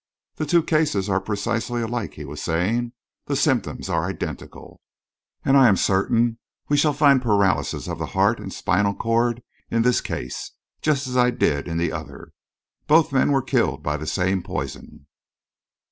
"The two cases are precisely alike," he was saying. "The symptoms are identical. And I'm certain we shall find paralysis of the heart and spinal cord in this case, just as I did in the other. Both men were killed by the same poison."